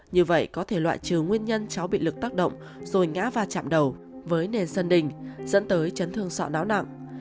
như vậy có thể loại trừ nguyên nhân cháu bị lực tác động rồi ngã vào chạm đầu với nền sân đỉnh dẫn tới chấn thương sỏ não nặng